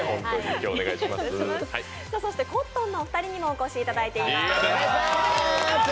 そしてコットンのお二人にもお越しいただいています。